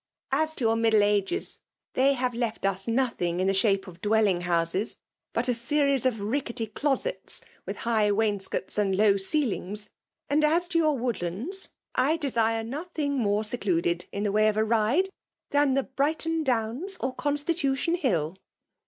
As to your Middle Ages> they have left us nothing in the diape of dwelling houses but a series of rickety closets, witb high wainscots and low ceilings; and aa to your woodlands, I desire nothing more ae daded, in the way of ride, than the Brighton fipwna OT CoMlitulioii Hill.